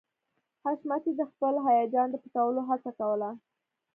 حشمتي د خپل هيجان د پټولو هڅه کوله